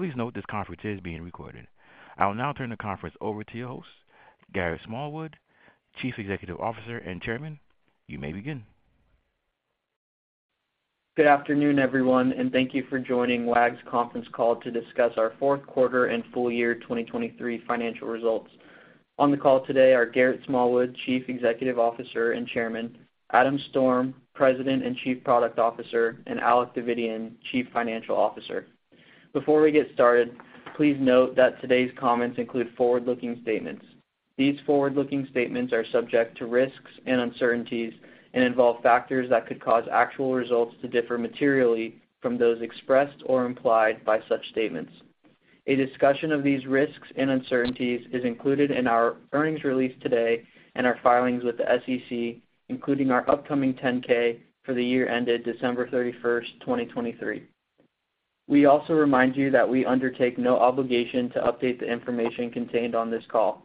Please note this conference is being recorded. I will now turn the conference over to your host, Garrett Smallwood, Chief Executive Officer and Chairman. You may begin. Good afternoon, everyone, and thank you for joining Wag!'s conference call to discuss our Q4 and full year 2023 financial results. On the call today are Garrett Smallwood, Chief Executive Officer and Chairman, Adam Storm, President and Chief Product Officer, and Alec Davidian, Chief Financial Officer. Before we get started, please note that today's comments include forward-looking statements. These forward-looking statements are subject to risks and uncertainties and involve factors that could cause actual results to differ materially from those expressed or implied by such statements. A discussion of these risks and uncertainties is included in our earnings release today and our filings with the SEC, including our upcoming 10-K for the year ended December 31st, 2023. We also remind you that we undertake no obligation to update the information contained on this call.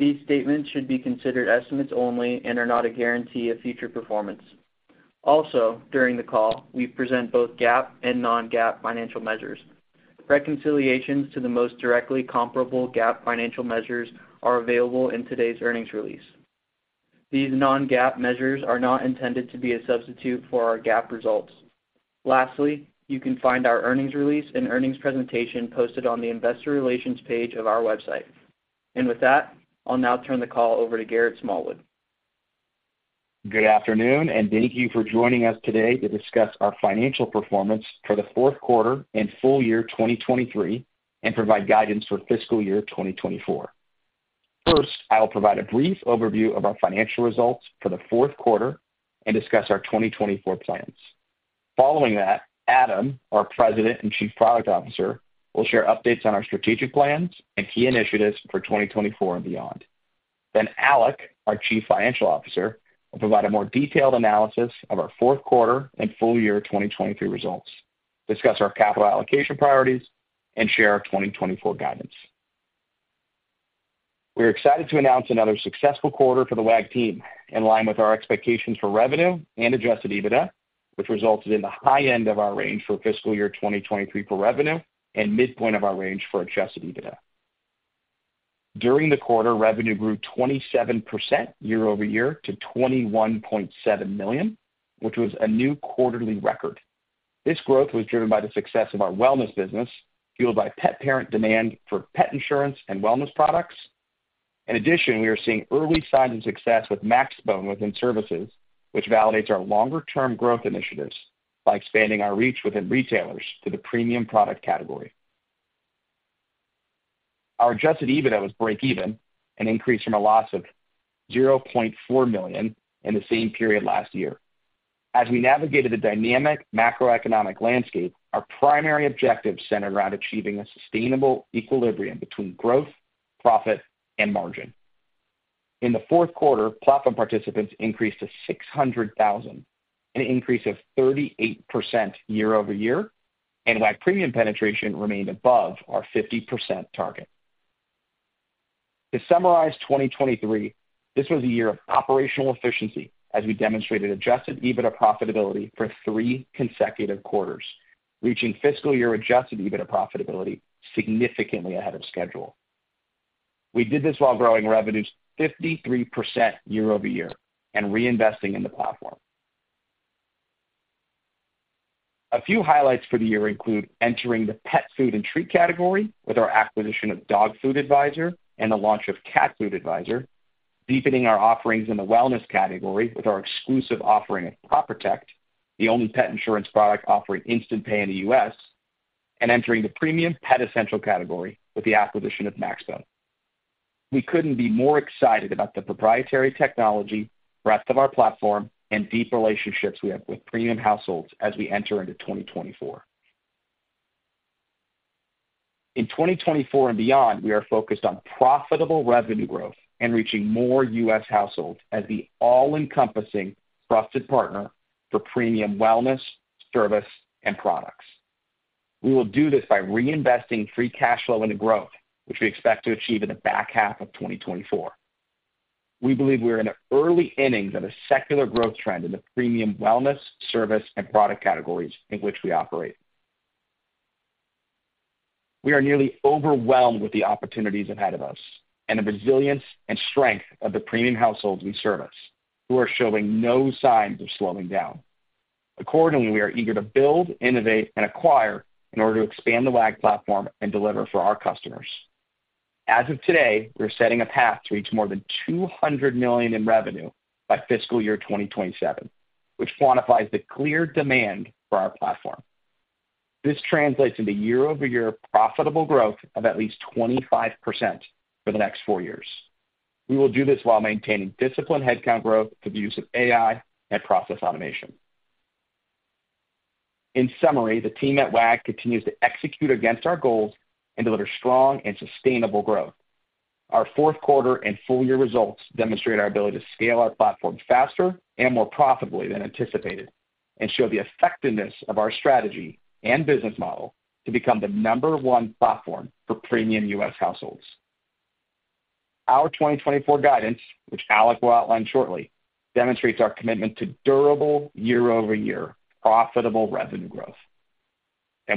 These statements should be considered estimates only and are not a guarantee of future performance. Also, during the call, we present both GAAP and non-GAAP financial measures. Reconciliations to the most directly comparable GAAP financial measures are available in today's earnings release. These non-GAAP measures are not intended to be a substitute for our GAAP results. Lastly, you can find our earnings release and earnings presentation posted on the Investor Relations page of our website. With that, I'll now turn the call over to Garrett Smallwood. Good afternoon, and thank you for joining us today to discuss our financial performance for the fourth quarter and full year 2023 and provide guidance for fiscal year 2024. First, I will provide a brief overview of our financial results for the fourth quarter and discuss our 2024 plans. Following that, Adam, our President and Chief Product Officer, will share updates on our strategic plans and key initiatives for 2024 and beyond. Then Alec, our Chief Financial Officer, will provide a more detailed analysis of our fourth quarter and full year 2023 results, discuss our capital allocation priorities, and share our 2024 guidance. We are excited to announce another successful quarter for the WAG team in line with our expectations for revenue and Adjusted EBITDA, which resulted in the high end of our range for fiscal year 2023 for revenue and midpoint of our range for Adjusted EBITDA. During the quarter, revenue grew 27% year-over-year to $21.7 million, which was a new quarterly record. This growth was driven by the success of our wellness business, fueled by pet parent demand for pet insurance and wellness products. In addition, we are seeing early signs of success with Maxbone within services, which validates our longer-term growth initiatives by expanding our reach within retailers to the premium product category. Our adjusted EBITDA was break-even, an increase from a loss of $0.4 million in the same period last year. As we navigated the dynamic macroeconomic landscape, our primary objectives centered around achieving a sustainable equilibrium between growth, profit, and margin. In the Q4, platform participants increased to 600,000, an increase of 38% year-over-year, and Wag! Premium penetration remained above our 50% target. To summarize 2023, this was a year of operational efficiency as we demonstrated Adjusted EBITDA profitability for three consecutive quarters, reaching fiscal year Adjusted EBITDA profitability significantly ahead of schedule. We did this while growing revenues 53% year-over-year and reinvesting in the platform. A few highlights for the year include entering the pet food and treat category with our acquisition of Dog Food Advisor and the launch of Cat Food Advisor, deepening our offerings in the wellness category with our exclusive offering of Pawtrotect, the only pet insurance product offering instant pay in the U.S., and entering the premium pet essential category with the acquisition of Maxbone. We couldn't be more excited about the proprietary technology, breadth of our platform, and deep relationships we have with premium households as we enter into 2024. In 2024 and beyond, we are focused on profitable revenue growth and reaching more U.S. households as the all-encompassing trusted partner for premium wellness service and products. We will do this by reinvesting free cash flow into growth, which we expect to achieve in the back half of 2024. We believe we are in the early innings of a secular growth trend in the premium wellness service and product categories in which we operate. We are nearly overwhelmed with the opportunities ahead of us and the resilience and strength of the premium households we service, who are showing no signs of slowing down. Accordingly, we are eager to build, innovate, and acquire in order to expand the Wag! platform and deliver for our customers. As of today, we are setting a path to reach more than $200 million in revenue by fiscal year 2027, which quantifies the clear demand for our platform. This translates into year-over-year profitable growth of at least 25% for the next four years. We will do this while maintaining disciplined headcount growth through the use of AI and process automation. In summary, the team at Wag! continues to execute against our goals and deliver strong and sustainable growth. Our fourth quarter and full year results demonstrate our ability to scale our platform faster and more profitably than anticipated and show the effectiveness of our strategy and business model to become the number one platform for premium US households. Our 2024 guidance, which Alec will outline shortly, demonstrates our commitment to durable year-over-year profitable revenue growth.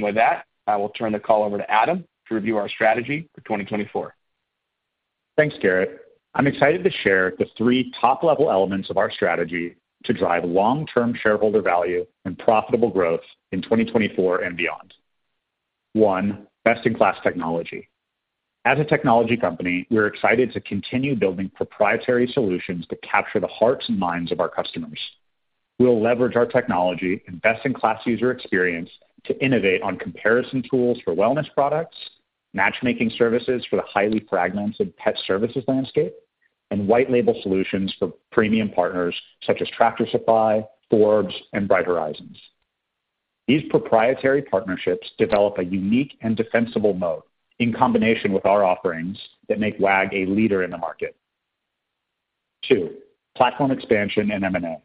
With that, I will turn the call over to Adam to review our strategy for 2024. Thanks, Garrett. I'm excited to share the three top-level elements of our strategy to drive long-term shareholder value and profitable growth in 2024 and beyond. One, best-in-class technology. As a technology company, we are excited to continue building proprietary solutions that capture the hearts and minds of our customers. We'll leverage our technology and best-in-class user experience to innovate on comparison tools for wellness products, matchmaking services for the highly fragmented pet services landscape, and white-label solutions for premium partners such as Tractor Supply, Forbes, and Bright Horizons. These proprietary partnerships develop a unique and defensible moat in combination with our offerings that make Wag! a leader in the market. Two, platform expansion and M&A.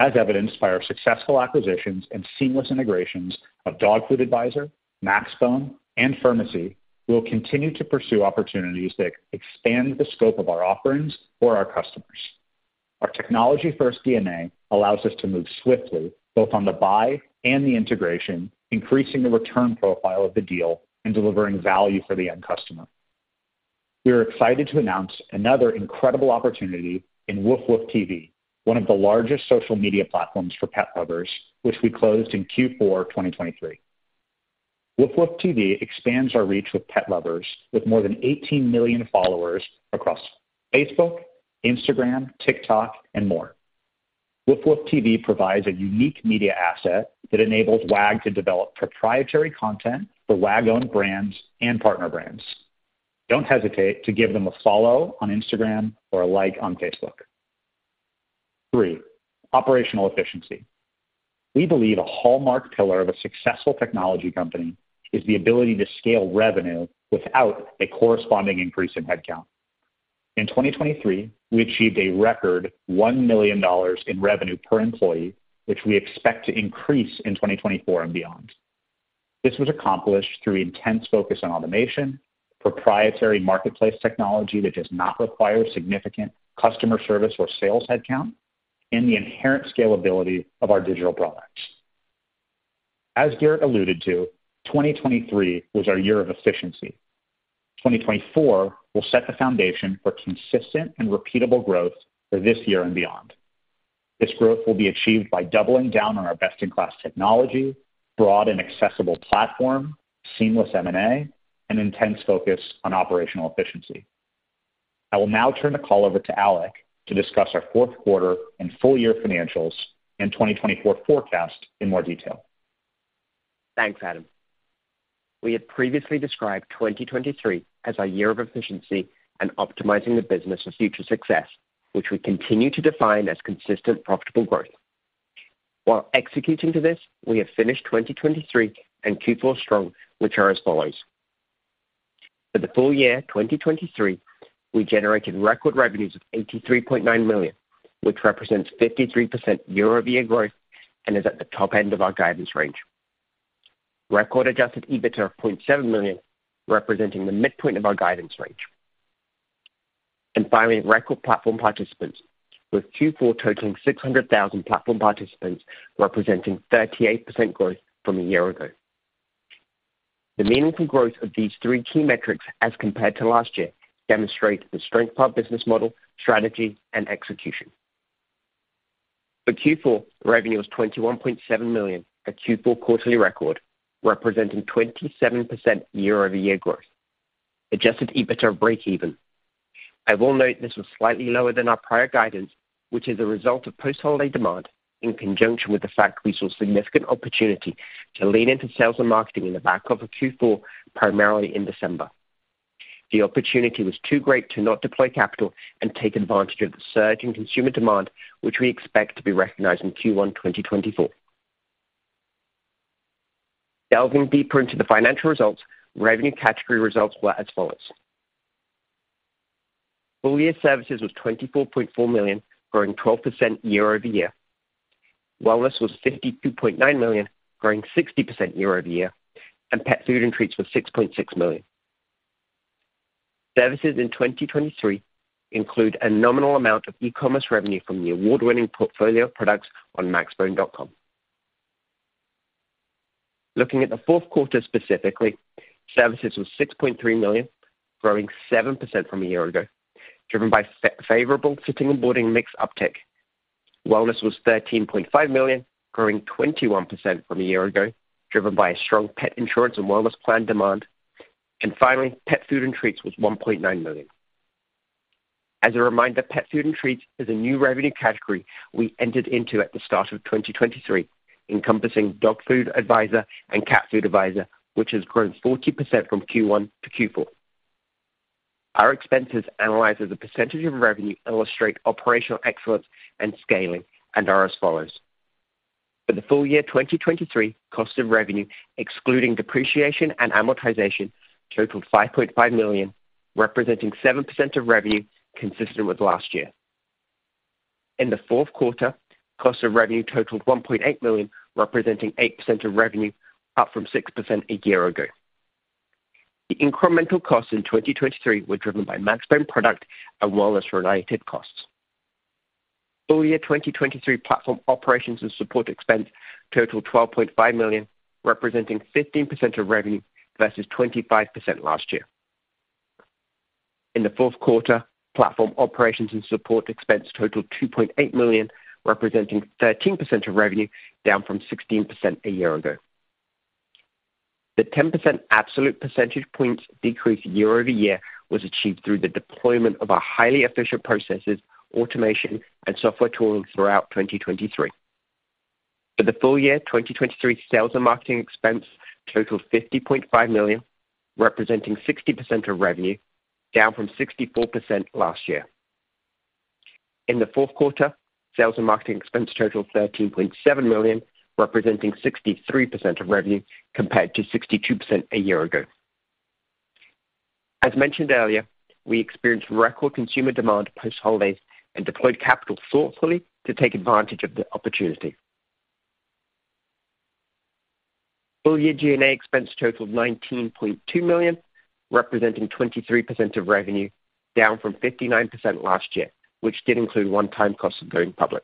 As evidenced by our successful acquisitions and seamless integrations of Dog Food Advisor, Maxbone, and Furmacy, we will continue to pursue opportunities that expand the scope of our offerings for our customers. Our technology-first DNA allows us to move swiftly both on the buy and the integration, increasing the return profile of the deal and delivering value for the end customer. We are excited to announce another incredible opportunity in Woof Woof TV, one of the largest social media platforms for pet lovers, which we closed in Q4 2023. Woof Woof TV expands our reach with pet lovers with more than 18 million followers across Facebook, Instagram, TikTok, and more. Woof Woof TV provides a unique media asset that enables Wag! to develop proprietary content for Wag!-owned brands and partner brands. Don't hesitate to give them a follow on Instagram or a like on Facebook. Three, operational efficiency. We believe a hallmark pillar of a successful technology company is the ability to scale revenue without a corresponding increase in headcount. In 2023, we achieved a record $1 million in revenue per employee, which we expect to increase in 2024 and beyond. This was accomplished through intense focus on automation, proprietary marketplace technology that does not require significant customer service or sales headcount, and the inherent scalability of our digital products. As Garrett alluded to, 2023 was our year of efficiency. 2024 will set the foundation for consistent and repeatable growth for this year and beyond. This growth will be achieved by doubling down on our best-in-class technology, broad and accessible platform, seamless M&A, and intense focus on operational efficiency. I will now turn the call over to Alec to discuss our fourth quarter and full year financials and 2024 forecast in more detail. Thanks, Adam. We had previously described 2023 as our year of efficiency and optimizing the business for future success, which we continue to define as consistent profitable growth. While executing to this, we have finished 2023 and Q4 strong, which are as follows. For the full year 2023, we generated record revenues of $83.9 million, which represents 53% year-over-year growth and is at the top end of our guidance range. Record adjusted EBITDA of $0.7 million, representing the midpoint of our guidance range. And finally, record platform participants, with Q4 totaling 600,000 platform participants representing 38% growth from a year ago. The meaningful growth of these three key metrics as compared to last year demonstrates the strength of our business model, strategy, and execution. For Q4, revenue was $21.7 million, a Q4 quarterly record, representing 27% year-over-year growth. Adjusted EBITDA of break-even. I will note this was slightly lower than our prior guidance, which is a result of post-holiday demand in conjunction with the fact we saw significant opportunity to lean into sales and marketing in the back of Q4, primarily in December. The opportunity was too great to not deploy capital and take advantage of the surge in consumer demand, which we expect to be recognized in Q1 2024. Delving deeper into the financial results, revenue category results were as follows. Full year services was $24.4 million, growing 12% year-over-year. Wellness was $52.9 million, growing 60% year-over-year. Pet food and treats was $6.6 million. Services in 2023 include a nominal amount of e-commerce revenue from the award-winning portfolio of products on maxbone.com. Looking at the fourth quarter specifically, services was $6.3 million, growing 7% from a year ago, driven by favorable sitting and boarding mix uptake. Wellness was $13.5 million, growing 21% from a year ago, driven by a strong pet insurance and wellness plan demand. And finally, pet food and treats was $1.9 million. As a reminder, pet food and treats is a new revenue category we entered into at the start of 2023, encompassing Dog Food Advisor and Cat Food Advisor, which has grown 40% from Q1 to Q4. Our expenses analyzed as a percentage of revenue illustrate operational excellence and scaling and are as follows. For the full year 2023, cost of revenue excluding depreciation and amortization totaled $5.5 million, representing 7% of revenue consistent with last year. In the fourth quarter, cost of revenue totaled $1.8 million, representing 8% of revenue, up from 6% a year ago. The incremental costs in 2023 were driven by Maxbone product and wellness-related costs. Full year 2023 platform operations and support expense totaled $12.5 million, representing 15% of revenue versus 25% last year. In the fourth quarter, platform operations and support expense totaled $2.8 million, representing 13% of revenue, down from 16% a year ago. The 10% absolute percentage points decrease year-over-year was achieved through the deployment of our highly efficient processes, automation, and software tooling throughout 2023. For the full year 2023, sales and marketing expense totaled $50.5 million, representing 60% of revenue, down from 64% last year. In the fourth quarter, sales and marketing expense totaled $13.7 million, representing 63% of revenue compared to 62% a year ago. As mentioned earlier, we experienced record consumer demand post-holidays and deployed capital thoughtfully to take advantage of the opportunity. Full year G&A expense totaled $19.2 million, representing 23% of revenue, down from 59% last year, which did include one-time costs of going public.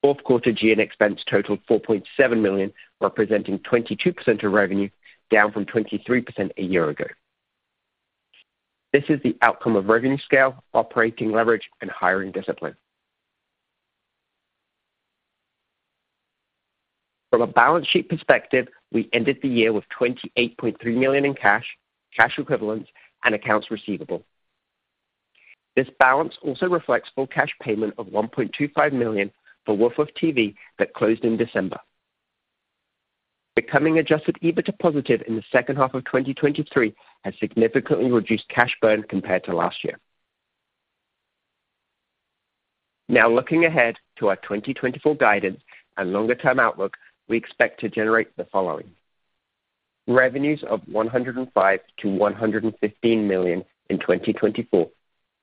Fourth quarter G&A expense totaled $4.7 million, representing 22% of revenue, down from 23% a year ago. This is the outcome of revenue scale, operating leverage, and hiring discipline. From a balance sheet perspective, we ended the year with $28.3 million in cash, cash equivalents, and accounts receivable. This balance also reflects full cash payment of $1.25 million for WoofWoofTV that closed in December. Becoming Adjusted EBITDA positive in the second half of 2023 has significantly reduced cash burn compared to last year. Now looking ahead to our 2024 guidance and longer-term outlook, we expect to generate the following: revenues of $105-$115 million in 2024,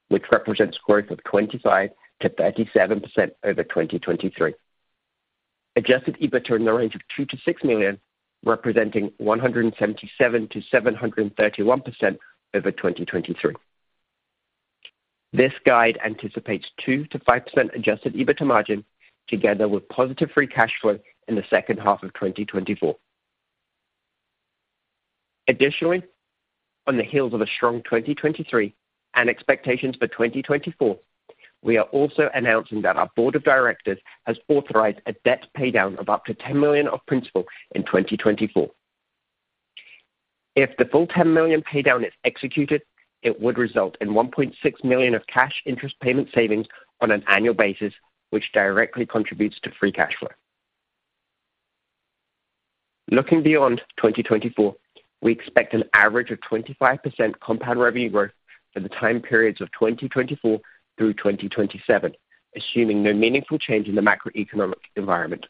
which represents growth of 25%-37% over 2023. Adjusted EBITDA in the range of $2-$6 million, representing 177%-731% over 2023. This guide anticipates 2%-5% Adjusted EBITDA margin together with positive Free Cash Flow in the second half of 2024. Additionally, on the heels of a strong 2023 and expectations for 2024, we are also announcing that our board of directors has authorized a debt paydown of up to $10 million of principal in 2024. If the full $10 million paydown is executed, it would result in $1.6 million of cash interest payment savings on an annual basis, which directly contributes to Free Cash Flow. Looking beyond 2024, we expect an average of 25% compound revenue growth for the time periods of 2024 through 2027, assuming no meaningful change in the macroeconomic environment,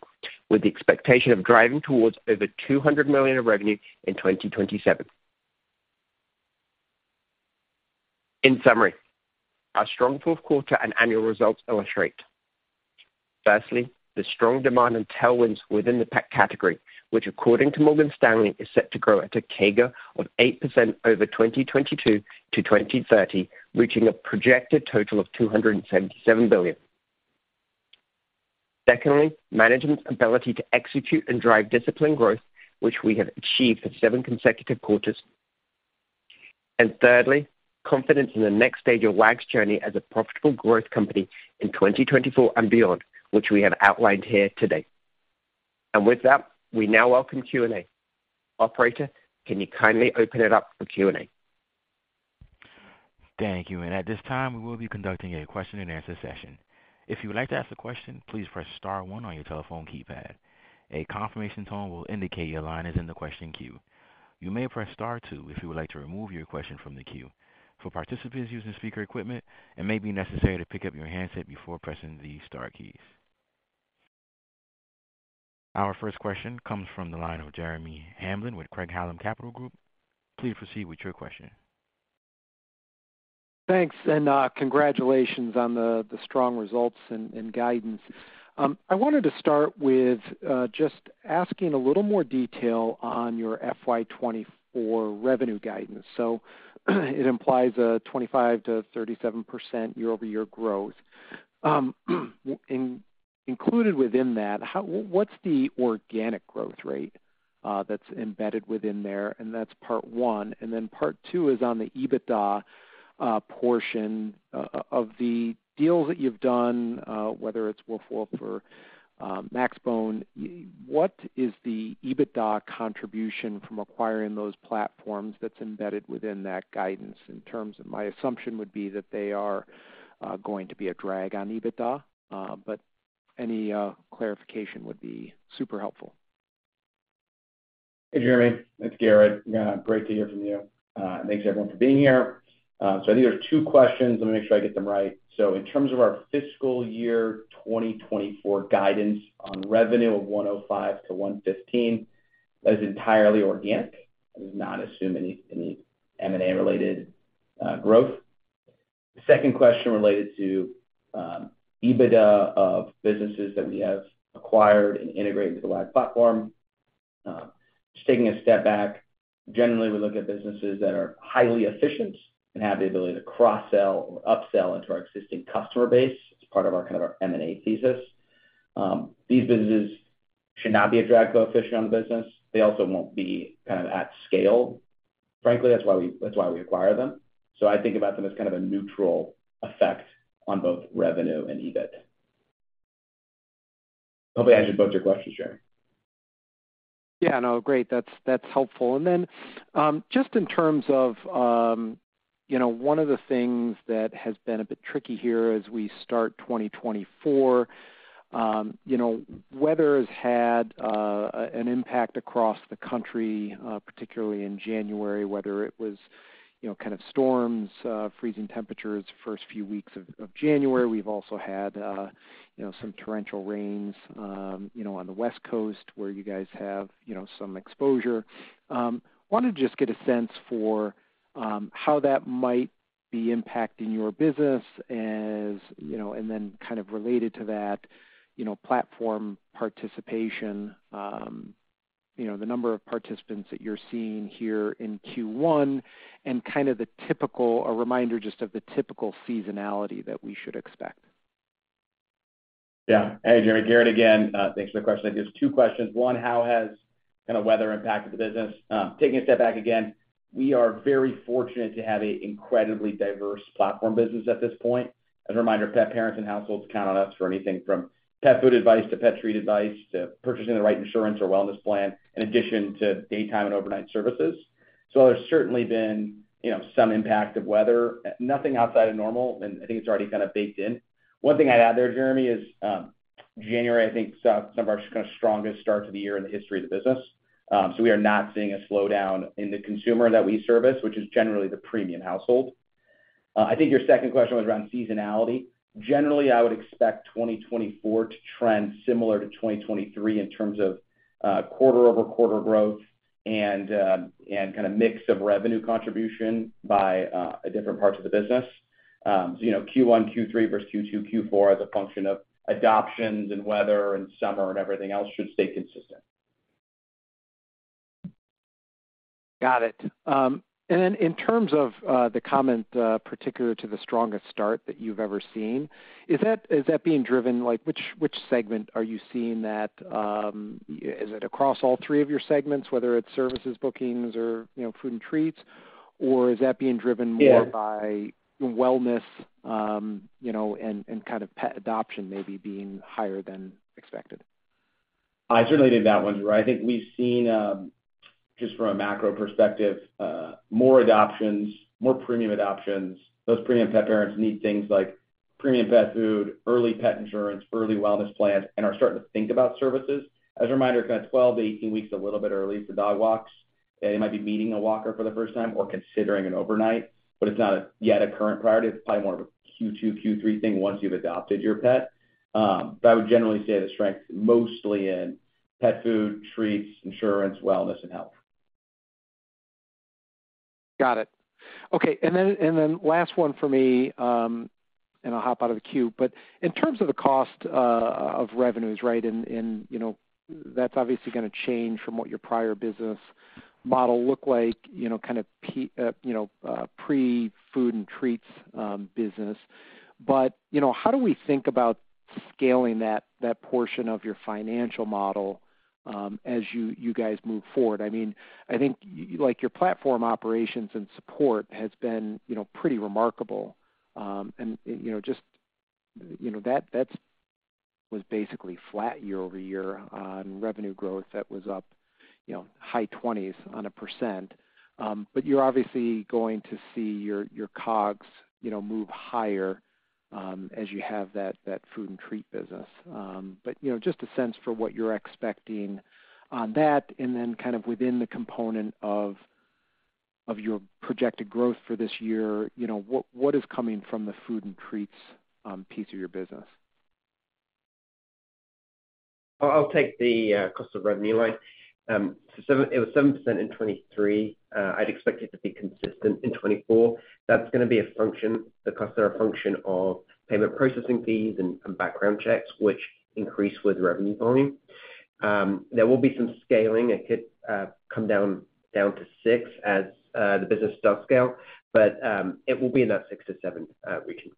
with the expectation of driving towards over $200 million of revenue in 2027. In summary, our strong fourth quarter and annual results illustrate: firstly, the strong demand and tailwinds within the pet category, which according to Morgan Stanley is set to grow at a CAGR of 8% over 2022 to 2030, reaching a projected total of $277 billion. Secondly, management's ability to execute and drive disciplined growth, which we have achieved for seven consecutive quarters. And thirdly, confidence in the next stage of WAG's journey as a profitable growth company in 2024 and beyond, which we have outlined here today. And with that, we now welcome Q&A. Operator, can you kindly open it up for Q&A? Thank you. And at this time, we will be conducting a question-and-answer session. If you would like to ask a question, please press star one on your telephone keypad. A confirmation tone will indicate your line is in the question queue. You may press star two if you would like to remove your question from the queue. For participants using speaker equipment, it may be necessary to pick up your handset before pressing the star keys. Our first question comes from the line of Jeremy Hamblin with Craig-Hallum Capital Group. Please proceed with your question. Thanks. Congratulations on the strong results and guidance. I wanted to start with just asking a little more detail on your FY24 revenue guidance. It implies a 25%-37% year-over-year growth. Included within that, what's the organic growth rate that's embedded within there? That's part one. Then part two is on the EBITDA portion of the deals that you've done, whether it's WoofWoof or maxbone. What is the EBITDA contribution from acquiring those platforms that's embedded within that guidance? My assumption would be that they are going to be a drag on EBITDA, but any clarification would be super helpful. Hey, Jeremy. It's Garrett. Great to hear from you. Thanks, everyone, for being here. So I think there's two questions. Let me make sure I get them right. So in terms of our fiscal year 2024 guidance on revenue of $105-$115, that is entirely organic. I do not assume any M&A-related growth. The second question related to EBITDA of businesses that we have acquired and integrated into the Wag! platform. Just taking a step back, generally, we look at businesses that are highly efficient and have the ability to cross-sell or upsell into our existing customer base as part of kind of our M&A thesis. These businesses should not be a drag coefficient on the business. They also won't be kind of at scale. Frankly, that's why we acquire them. So I think about them as kind of a neutral effect on both revenue and EBIT. Hopefully, I answered both your questions, Jeremy. Yeah. No, great. That's helpful. Then just in terms of one of the things that has been a bit tricky here as we start 2024, weather has had an impact across the country, particularly in January, whether it was kind of storms, freezing temperatures the first few weeks of January. We've also had some torrential rains on the West Coast where you guys have some exposure. Wanted to just get a sense for how that might be impacting your business and then kind of related to that, platform participation, the number of participants that you're seeing here in Q1, and kind of a reminder just of the typical seasonality that we should expect. Yeah. Hey, Jeremy. Garrett again. Thanks for the question. I guess two questions. One, how has kind of weather impacted the business? Taking a step back again, we are very fortunate to have an incredibly diverse platform business at this point. As a reminder, pet parents and households count on us for anything from pet food advice to pet treat advice to purchasing the right insurance or wellness plan in addition to daytime and overnight services. So there's certainly been some impact of weather, nothing outside of normal. And I think it's already kind of baked in. One thing I'd add there, Jeremy, is January, I think, saw some of our kind of strongest starts of the year in the history of the business. So we are not seeing a slowdown in the consumer that we service, which is generally the premium household. I think your second question was around seasonality. Generally, I would expect 2024 to trend similar to 2023 in terms of quarter-over-quarter growth and kind of mix of revenue contribution by different parts of the business. So Q1, Q3 versus Q2, Q4, as a function of adoptions and weather and summer and everything else, should stay consistent. Got it. And then in terms of the comment particular to the strongest start that you've ever seen, is that being driven? Which segment are you seeing that? Is it across all three of your segments, whether it's services, bookings, or food and treats, or is that being driven more by wellness and kind of pet adoption maybe being higher than expected? I certainly think that one's right. I think we've seen, just from a macro perspective, more adoptions, more premium adoptions. Those premium pet parents need things like premium pet food, early pet insurance, early wellness plans, and are starting to think about services. As a reminder, kind of 12-18 weeks is a little bit early for dog walks. They might be meeting a walker for the first time or considering an overnight, but it's not yet a current priority. It's probably more of a Q2, Q3 thing once you've adopted your pet. But I would generally say the strength is mostly in pet food, treats, insurance, wellness, and health. Got it. Okay. And then last one for me, and I'll hop out of the queue, but in terms of the cost of revenues, right, and that's obviously going to change from what your prior business model looked like, kind of pre-food and treats business. But how do we think about scaling that portion of your financial model as you guys move forward? I mean, I think your platform operations and support has been pretty remarkable. And just that was basically flat year-over-year on revenue growth that was up high 20s%. But you're obviously going to see your COGS move higher as you have that food and treat business. But just a sense for what you're expecting on that. And then kind of within the component of your projected growth for this year, what is coming from the food and treats piece of your business? I'll take the cost of revenue line. It was 7% in 2023. I'd expect it to be consistent in 2024. That's going to be a function the costs are a function of payment processing fees and background checks, which increase with revenue volume. There will be some scaling. It could come down to 6% as the business does scale, but it will be in that 6%-7% region.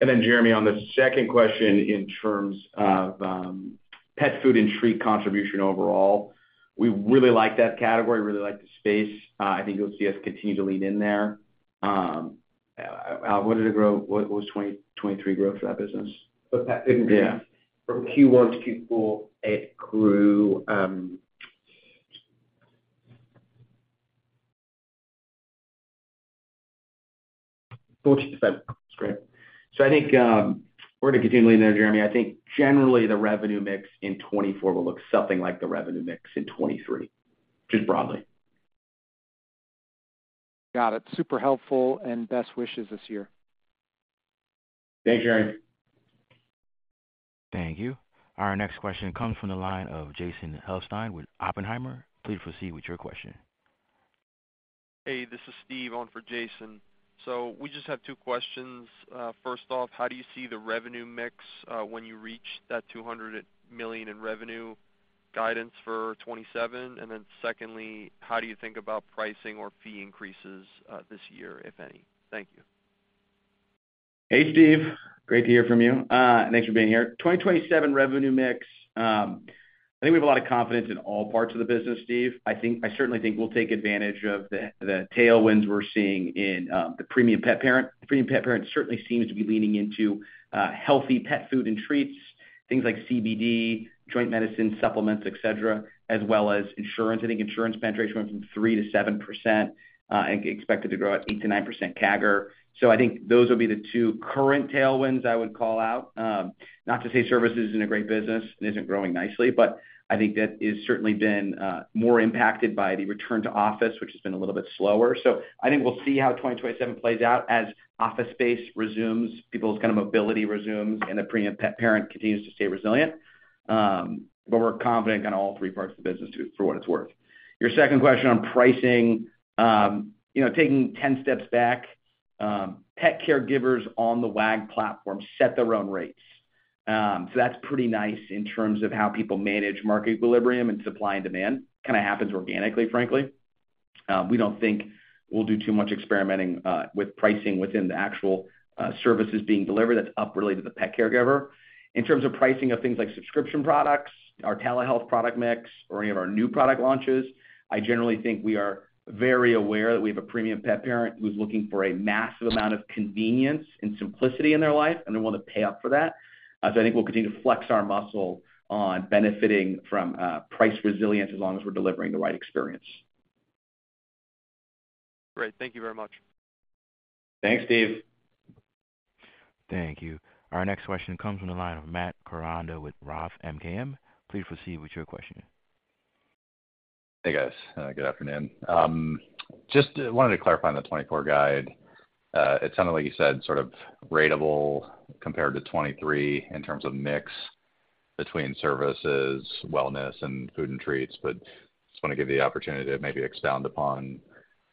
And then, Jeremy, on the second question in terms of pet food and treat contribution overall, we really like that category, really like the space. I think you'll see us continue to lean in there. What did it grow? What was 2023 growth for that business? For pet food and treats, from Q1 to Q4, it grew 40%. That's great. So I think we're going to continue leaning there, Jeremy. I think generally, the revenue mix in 2024 will look something like the revenue mix in 2023, just broadly. Got it. Super helpful and best wishes this year. Thanks, Jeremy. Thank you. Our next question comes from the line of Jason Helfstein with Oppenheimer. Please proceed with your question. Hey, this is Steve on for Jason. We just have two questions. First off, how do you see the revenue mix when you reach that $200 million in revenue guidance for 2027? Then secondly, how do you think about pricing or fee increases this year, if any? Thank you. Hey, Steve. Great to hear from you. Thanks for being here. 2027 revenue mix, I think we have a lot of confidence in all parts of the business, Steve. I certainly think we'll take advantage of the tailwinds we're seeing in the premium pet parent. The premium pet parent certainly seems to be leaning into healthy pet food and treats, things like CBD, joint medicine, supplements, etc., as well as insurance. I think insurance penetration went from 3%-7% and expected to grow at 8%-9% CAGR. So I think those will be the two current tailwinds I would call out. Not to say services isn't a great business and isn't growing nicely, but I think that has certainly been more impacted by the return to office, which has been a little bit slower. So I think we'll see how 2027 plays out as office space resumes, people's kind of mobility resumes, and the premium pet parent continues to stay resilient. But we're confident in kind of all three parts of the business for what it's worth. Your second question on pricing, taking 10 steps back, pet caregivers on the Wag! platform set their own rates. So that's pretty nice in terms of how people manage market equilibrium and supply and demand. Kind of happens organically, frankly. We don't think we'll do too much experimenting with pricing within the actual services being delivered. That's up related to the pet caregiver. In terms of pricing of things like subscription products, our telehealth product mix, or any of our new product launches, I generally think we are very aware that we have a premium pet parent who's looking for a massive amount of convenience and simplicity in their life, and they want to pay up for that. So I think we'll continue to flex our muscle on benefiting from price resilience as long as we're delivering the right experience. Great. Thank you very much. Thanks, Steve. Thank you. Our next question comes from the line of Matt Koranda with Roth MKM. Please proceed with your question. Hey, guys. Good afternoon. Just wanted to clarify on the 2024 guide. It sounded like you said sort of ratable compared to 2023 in terms of mix between services, wellness, and food and treats. But just want to give you the opportunity to maybe expound upon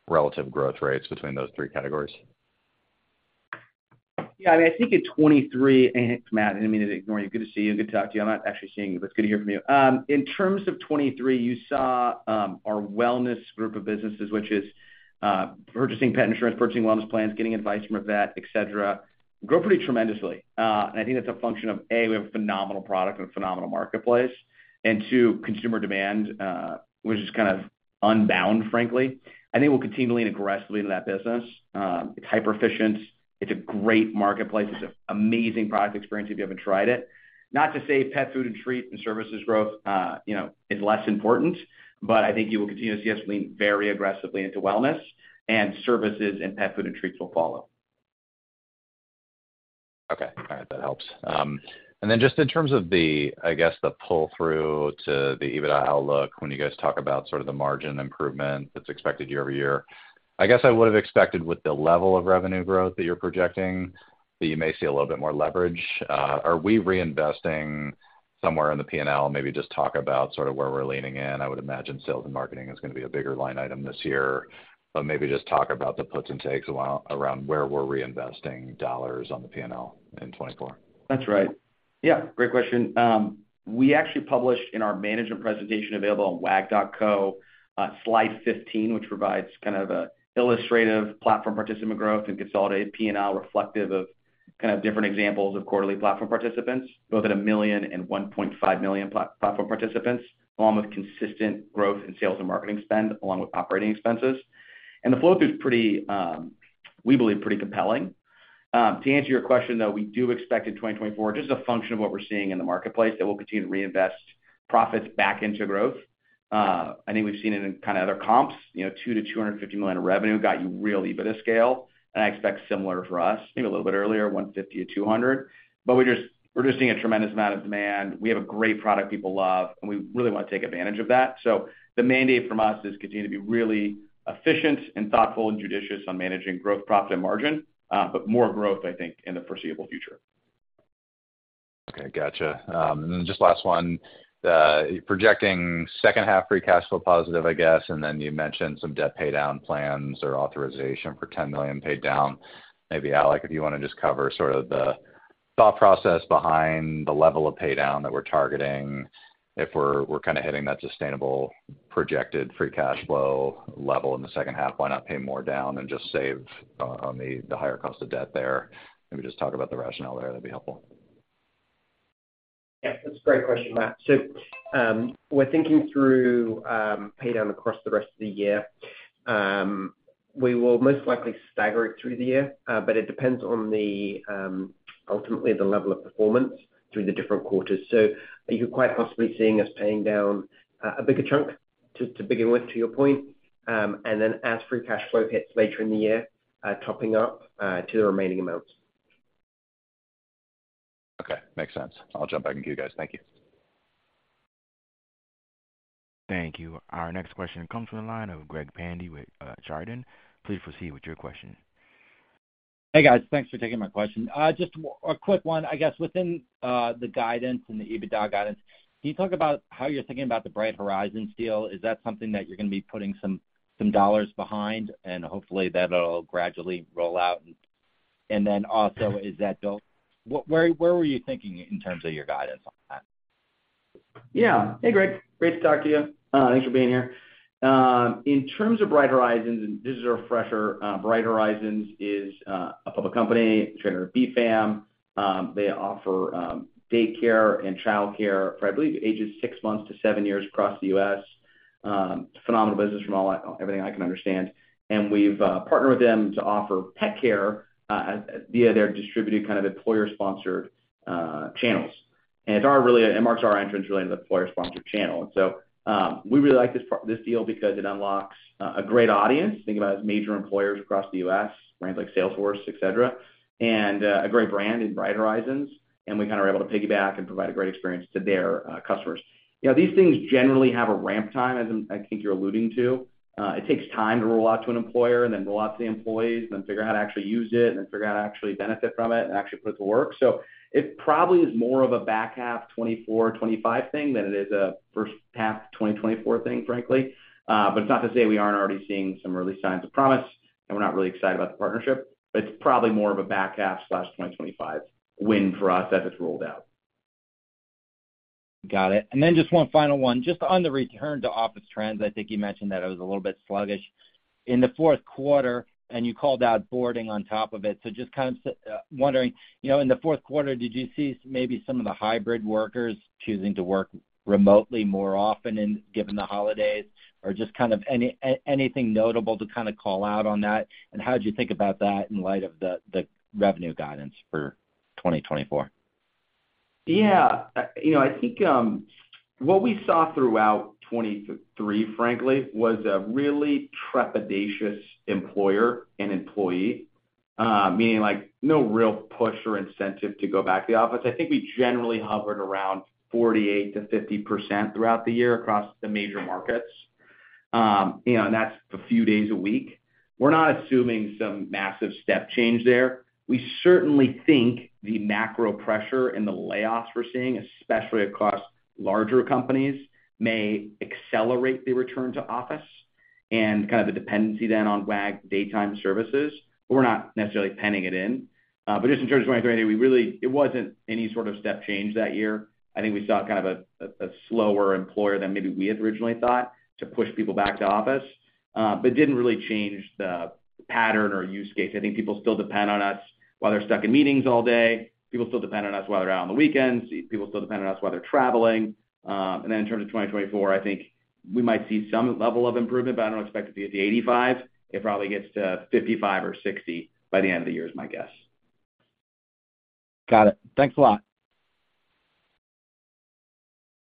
relative growth rates between those three categories. Yeah. I mean, I think in 2023, and Matt, and I mean, ignore you. Good to see you. Good to talk to you. I'm not actually seeing you, but it's good to hear from you. In terms of 2023, you saw our wellness group of businesses, which is purchasing pet insurance, purchasing wellness plans, getting advice from a vet, etc., grow pretty tremendously. And I think that's a function of, A, we have a phenomenal product and a phenomenal marketplace, and two, consumer demand, which is kind of unbound, frankly. I think we'll continue to lean aggressively into that business. It's hyper-efficient. It's a great marketplace. It's an amazing product experience if you haven't tried it. Not to say pet food and treat and services growth is less important, but I think you will continue to see us lean very aggressively into wellness, and services and pet food and treats will follow. Okay. All right. That helps. And then just in terms of, I guess, the pull-through to the EBITDA outlook when you guys talk about sort of the margin improvement that's expected year-over-year, I guess I would have expected with the level of revenue growth that you're projecting that you may see a little bit more leverage. Are we reinvesting somewhere in the P&L? Maybe just talk about sort of where we're leaning in. I would imagine sales and marketing is going to be a bigger line item this year, but maybe just talk about the puts and takes around where we're reinvesting dollars on the P&L in 2024. That's right. Yeah. Great question. We actually published in our management presentation available on wag.co, slide 15, which provides kind of an illustrative Platform Participants growth and consolidated P&L reflective of kind of different examples of quarterly Platform Participants, both at 1 million and 1.5 million Platform Participants, along with consistent growth in sales and marketing spend, along with operating expenses. And the flow-through is pretty, we believe, pretty compelling. To answer your question, though, we do expect in 2024, just as a function of what we're seeing in the marketplace, that we'll continue to reinvest profits back into growth. I think we've seen it in kind of other comps. $2 million-$250 million in revenue got you real EBITDA scale. And I expect similar for us, maybe a little bit earlier, $150 million-$200 million. But we're just seeing a tremendous amount of demand. We have a great product people love, and we really want to take advantage of that. So the mandate from us is continue to be really efficient and thoughtful and judicious on managing growth, profit, and margin, but more growth, I think, in the foreseeable future. Okay. Gotcha. And then just last one, projecting second-half free cash flow positive, I guess, and then you mentioned some debt paydown plans or authorization for $10 million paid down. Maybe, Alec, if you want to just cover sort of the thought process behind the level of paydown that we're targeting, if we're kind of hitting that sustainable projected free cash flow level in the second half, why not pay more down and just save on the higher cost of debt there? Maybe just talk about the rationale there. That'd be helpful. Yeah. That's a great question, Matt. So we're thinking through paydown across the rest of the year. We will most likely stagger it through the year, but it depends on, ultimately, the level of performance through the different quarters. So you're quite possibly seeing us paying down a bigger chunk to begin with, to your point, and then as free cash flow hits later in the year, topping up to the remaining amounts. Okay. Makes sense. I'll jump back and cue you guys. Thank you. Thank you. Our next question comes from the line of Greg Pandey with Chardan. Please proceed with your question. Hey, guys. Thanks for taking my question. Just a quick one, I guess, within the guidance and the EBITDA guidance, can you talk about how you're thinking about the Bright Horizons deal? Is that something that you're going to be putting some dollars behind, and hopefully, that'll gradually roll out? And then also, is that built? Where were you thinking in terms of your guidance on that? Yeah. Hey, Greg. Great to talk to you. Thanks for being here. In terms of Bright Horizons, and this is a refresher, Bright Horizons is a public company, trades as BFAM. They offer daycare and childcare for, I believe, ages six months to seven years across the U.S. Phenomenal business from everything I can understand. We've partnered with them to offer pet care via their distributed kind of employer-sponsored channels. It marks our entrance related to the employer-sponsored channel. So we really like this deal because it unlocks a great audience. Think about, as major employers across the U.S., brands like Salesforce, etc., and a great brand in Bright Horizons. We kind of were able to piggyback and provide a great experience to their customers. These things generally have a ramp time, as I think you're alluding to. It takes time to roll out to an employer and then roll out to the employees and then figure out how to actually use it and then figure out how to actually benefit from it and actually put it to work. So it probably is more of a back half 2024, 2025 thing than it is a first half 2024 thing, frankly. But it's not to say we aren't already seeing some early signs of promise, and we're not really excited about the partnership. But it's probably more of a back half 2025 win for us as it's rolled out. Got it. And then just one final one. Just on the Return to Office trends, I think you mentioned that it was a little bit sluggish in the fourth quarter, and you called out boarding on top of it. So just kind of wondering, in the fourth quarter, did you see maybe some of the hybrid workers choosing to work remotely more often given the holidays or just kind of anything notable to kind of call out on that? And how did you think about that in light of the revenue guidance for 2024? Yeah. I think what we saw throughout 2023, frankly, was a really trepidatious employer and employee, meaning no real push or incentive to go back to the office. I think we generally hovered around 48%-50% throughout the year across the major markets, and that's a few days a week. We're not assuming some massive step change there. We certainly think the macro pressure and the layoffs we're seeing, especially across larger companies, may accelerate the return to office and kind of the dependency then on Wag daytime services. But we're not necessarily penning it in. But just in terms of 2023, it wasn't any sort of step change that year. I think we saw kind of a slower employer than maybe we had originally thought to push people back to office but didn't really change the pattern or use case. I think people still depend on us while they're stuck in meetings all day. People still depend on us while they're out on the weekends. People still depend on us while they're traveling. And then in terms of 2024, I think we might see some level of improvement, but I don't expect it to get to 85. It probably gets to 55 or 60 by the end of the year is my guess. Got it. Thanks a lot.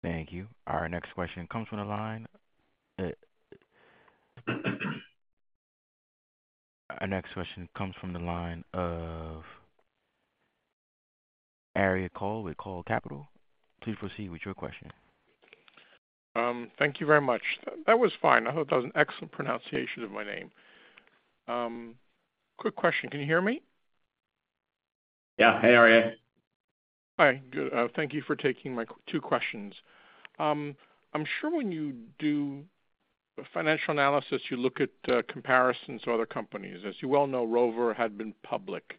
Thank you. Our next question comes from the line of Aria Cole with Cole Capital. Please proceed with your question. Thank you very much. That was fine. I thought that was an excellent pronunciation of my name. Quick question. Can you hear me? Yeah. Hey, Aria. Hi. Good. Thank you for taking my two questions. I'm sure when you do financial analysis, you look at comparisons to other companies. As you well know, Rover had been public.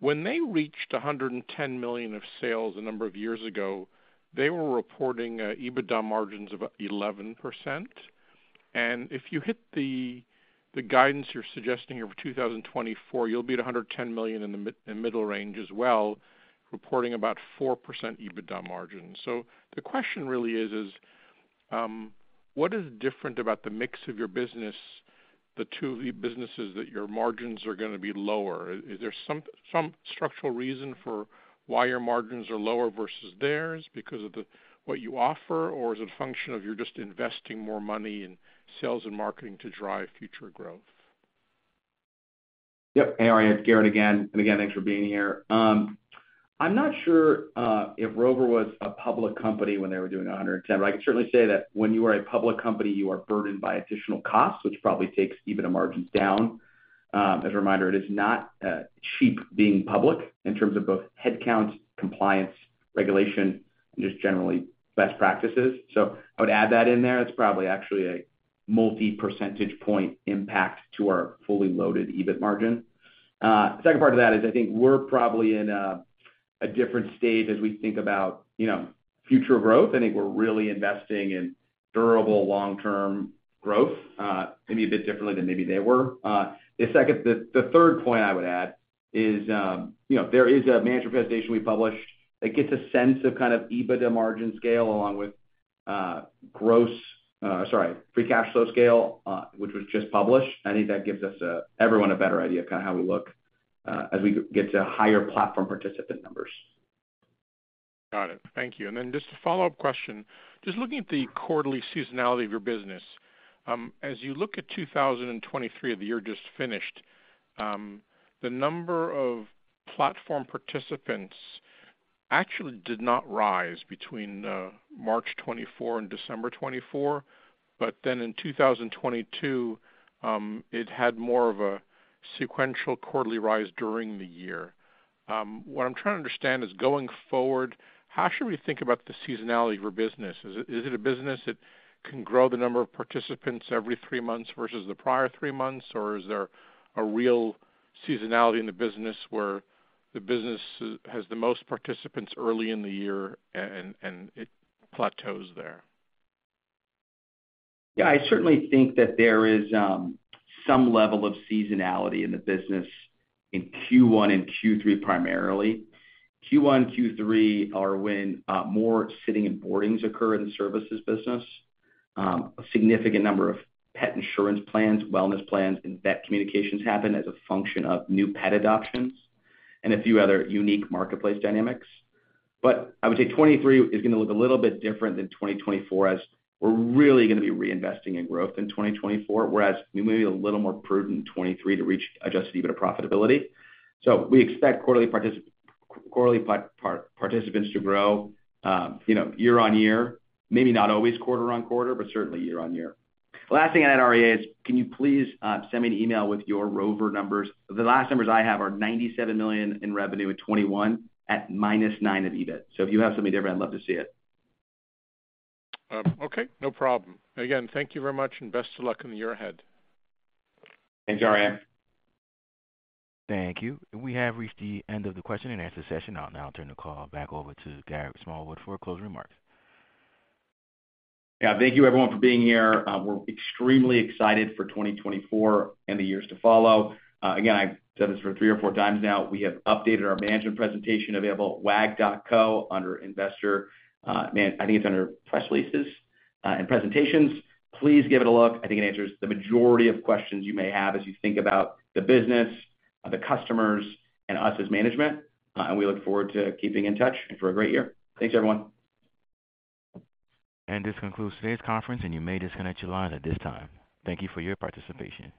When they reached $110 million of sales a number of years ago, they were reporting EBITDA margins of 11%. And if you hit the guidance you're suggesting here for 2024, you'll be at $110 million in the middle range as well, reporting about 4% EBITDA margins. So the question really is, what is different about the mix of your business, the two of the businesses that your margins are going to be lower? Is there some structural reason for why your margins are lower versus theirs because of what you offer, or is it a function of you're just investing more money in sales and marketing to drive future growth? Yep. Hey, Aria. It's Garrett again. And again, thanks for being here. I'm not sure if Rover was a public company when they were doing 110, but I can certainly say that when you are a public company, you are burdened by additional costs, which probably takes EBITDA margins down. As a reminder, it is not cheap being public in terms of both headcount, compliance, regulation, and just generally best practices. So I would add that in there. It's probably actually a multi-percentage point impact to our fully loaded EBIT margin. The second part of that is I think we're probably in a different stage as we think about future growth. I think we're really investing in durable, long-term growth, maybe a bit differently than maybe they were. The third point I would add is there is a management presentation we published that gets a sense of kind of EBITDA margin scale along with gross sorry, Free Cash Flow scale, which was just published. I think that gives everyone a better idea of kind of how we look as we get to higher Platform Participant numbers. Got it. Thank you. And then just a follow-up question. Just looking at the quarterly seasonality of your business, as you look at 2023, the year just finished, the number of platform participants actually did not rise between March 2024 and December 2024. But then in 2022, it had more of a sequential quarterly rise during the year. What I'm trying to understand is going forward, how should we think about the seasonality of your business? Is it a business that can grow the number of participants every three months versus the prior three months, or is there a real seasonality in the business where the business has the most participants early in the year and it plateaus there? Yeah. I certainly think that there is some level of seasonality in the business in Q1 and Q3 primarily. Q1, Q3 are when more sitting and boardings occur in the services business. A significant number of pet insurance plans, wellness plans, and vet communications happen as a function of new pet adoptions and a few other unique marketplace dynamics. But I would say 2023 is going to look a little bit different than 2024 as we're really going to be reinvesting in growth in 2024, whereas we may be a little more prudent in 2023 to reach Adjusted EBITDA profitability. So we expect quarterly participants to grow year-over-year, maybe not always quarter-over-quarter, but certainly year-over-year. Last thing I had, Aria, is can you please send me an email with your Rover numbers? The last numbers I have are $97 million in revenue in 2021 at -$9 million of EBIT. So if you have something different, I'd love to see it. Okay. No problem. Again, thank you very much, and best of luck in the year ahead. Thanks, Aria. Thank you. We have reached the end of the question and answer session. Now I'll turn the call back over to Garrett Smallwood for closing remarks. Yeah. Thank you, everyone, for being here. We're extremely excited for 2024 and the years to follow. Again, I've said this for three or four times now. We have updated our management presentation available at wag.co under investor man. I think it's under press releases and presentations. Please give it a look. I think it answers the majority of questions you may have as you think about the business, the customers, and us as management. We look forward to keeping in touch and for a great year. Thanks, everyone. This concludes today's conference, and you may disconnect your lines at this time. Thank you for your participation.